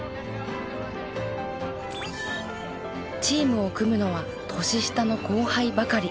チームを組むのは年下の後輩ばかり。